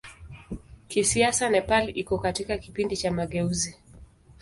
Kisiasa Nepal iko katika kipindi cha mageuzi.